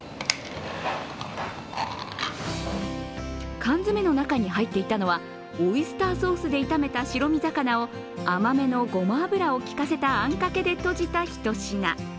缶詰の中に入っていたのはオイスターソースで炒めた白身魚を甘めのごま油をきかせたあんかけでとじた一品。